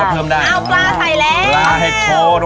อ่ะเรียบร้อย